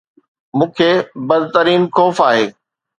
مون کي بدترين خوف آهي